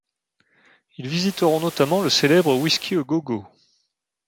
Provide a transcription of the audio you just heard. Ils visiteront notamment le célèbre Whisky a Go Go.